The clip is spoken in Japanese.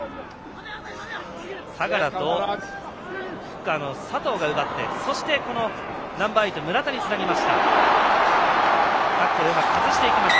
相良とフッカーの佐藤が奪ってそして、ナンバーエイト村田につなぎました。